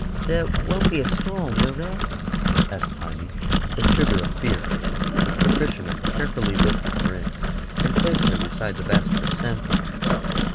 "There won't be a storm, will there?" asked Tiny, with a shiver of fear, as the fisherman carefully lifted her in and placed her beside the basket of samphire.